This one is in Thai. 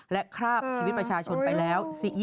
และคราบชีวิตประชาชนไปแล้ว